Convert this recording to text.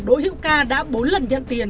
đỗ hiệu ca đã bốn lần nhận tiền